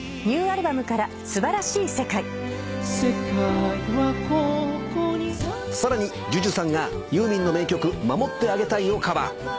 ニューアルバムから『素晴らしい世界』さらにＪＵＪＵさんがユーミンの名曲『守ってあげたい』をカバー。